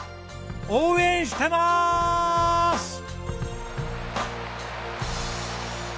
応援してます！